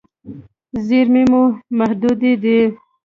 زیرمې مو محدودې دي.